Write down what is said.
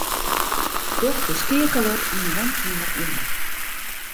Doch de skeakeler yn 'e wenkeamer oan.